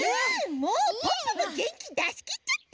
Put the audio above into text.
もうポッポのげんきだしきっちゃった！